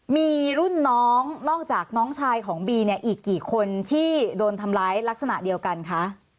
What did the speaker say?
มีรุ่นน้องนอกจากน้องชายของบีเนี่ยอีกกี่คนที่โดนทำร้ายลักษณะเดียวกันคะ